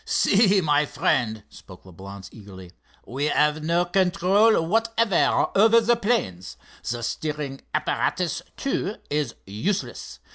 "See, my friend," spoke Leblance, eagerly, "we have no control whatever over the planes. The steering apparatus, too, is useless.